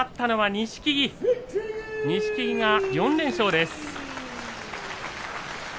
錦木が４連勝です。